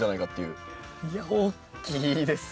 いや大きいですよ。